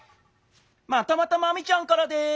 またまたマミちゃんからです。